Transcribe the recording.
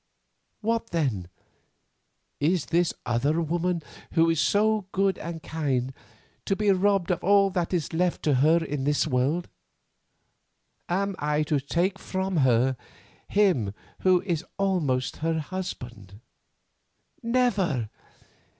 What then? Is this other woman, who is so good and kind, to be robbed of all that is left to her in the world? Am I to take from her him who is almost her husband? Never.